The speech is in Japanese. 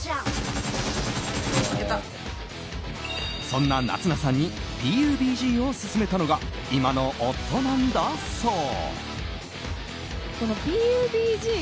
そんな夏菜さんにＰＵＢＧを勧めたのが今の夫なんだそう。